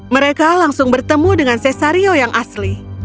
mereka langsung bertemu dengan cesario yang asli